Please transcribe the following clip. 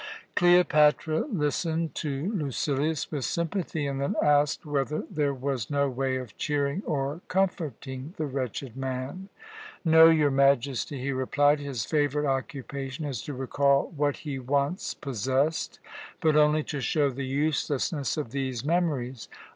Cleopatra listened to Lucilius with sympathy, and then asked whether there was no way of cheering or comforting the wretched man. "No, your Majesty," he replied. "His favourite occupation is to recall what he once possessed, but only to show the uselessness of these memories.